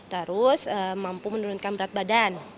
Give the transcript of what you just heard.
terus mampu menurunkan berat badan